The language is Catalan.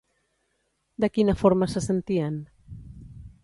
De quina forma se sentien?